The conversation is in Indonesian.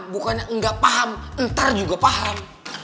bukannya nggak paham ntar juga paham